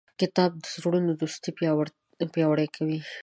کتاب د زړونو دوستي پیاوړې کوي.